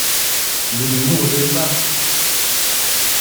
Vous ne mourrez pas !